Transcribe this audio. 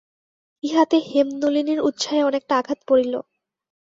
ইহাতে হেমনলিনীর উৎসাহে অনেকটা আঘাত পড়িল।